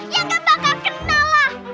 ya gak bakal kenalah